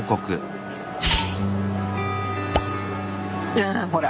やんほら。